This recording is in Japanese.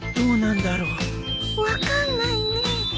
分かんないね。